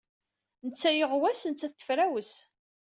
Netta yiɣwas, nettat tefrawes.